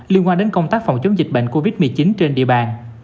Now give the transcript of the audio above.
liên quan đến công tác phòng chống dịch bệnh covid một mươi chín trên địa bàn